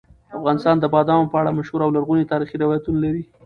افغانستان د بادامو په اړه مشهور او لرغوني تاریخي روایتونه لري.